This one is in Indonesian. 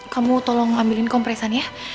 kamu tolong ambilin kompresan ya